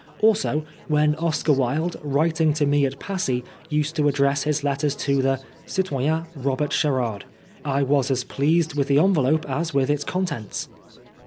Also, when Oscar Wilde, writing to me at Passy, used to address his letters to the " Citoyen Robert Sherard," I was as pleased with the envelope as with its contents.